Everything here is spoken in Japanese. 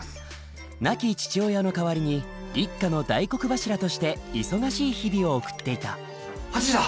亡き父親の代わりに一家の大黒柱として忙しい日々を送っていた８時だ！